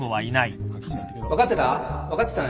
分かってた？